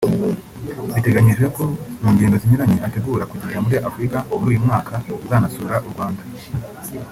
Biteganyijwe ko mu ngendo zinyuranye ategura kugirira muri Afurika muri uyu mwaka azanasura u Rwanda